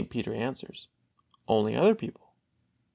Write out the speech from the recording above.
Peter answers: "Only other people."